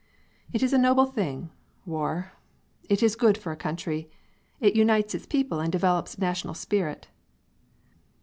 It is a noble thing, war! It is good for a country. It unites its people and develops national spirit!